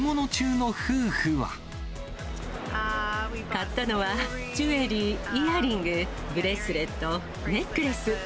買ったのはジュエリー、イヤリング、ブレスレット、ネックレス。